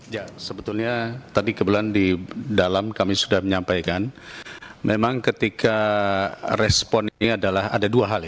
ya sebetulnya tadi kebetulan di dalam kami sudah menyampaikan memang ketika respon ini adalah ada dua hal ya